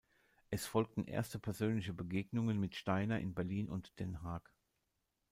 Es folgten erste persönliche Begegnungen mit Steiner in Berlin und Den Haag.